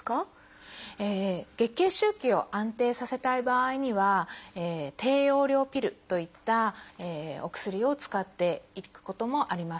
月経周期を安定させたい場合には低用量ピルといったお薬を使っていくこともあります。